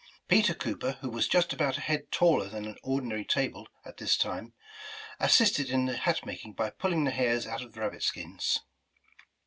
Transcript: Peter Cooper, who was just about a head taller than an ordinary table at this time, as sisted in the hat making by pulling the hairs out of rabbit skins.